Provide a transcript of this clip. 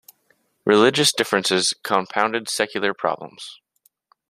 Religious differences compounded secular problems.